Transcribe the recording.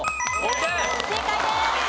正解です。